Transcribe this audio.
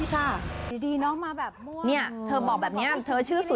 หนูนะเนี่ยเป็นน้องพี่ภู